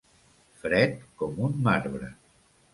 Fred com un marbre.